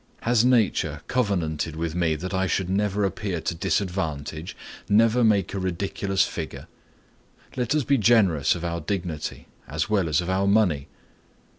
Has nature covenanted with me that I should never appear to disadvantage, never make a ridiculous figure? Let us be generous of our dignity as well as of our money.